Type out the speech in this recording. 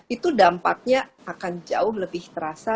itu dampaknya akan jauh lebih terasa